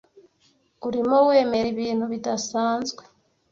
Urimo wemera ibintu bidasanzwe